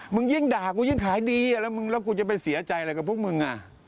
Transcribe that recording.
มึงยิ่งด่ากูยิ่งขายดีแล้วกูจะไปเสียใจอะไรกับพวกมึง